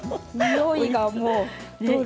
においがもう。